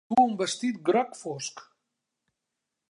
Duu un vestit groc fosc.